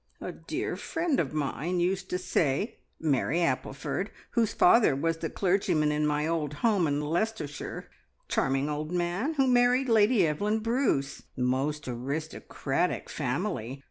A dear friend of mine used to say Mary Appleford, whose father was the clergyman in my old home in Leicestershire charming old man who married Lady Evelyn Bruce most aristocratic family!